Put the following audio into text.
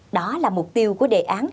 đó là mục tiêu của đề án